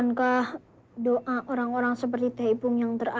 knee bukankah doa orang orang seperti burke yang teranihya kasih dengar poros pak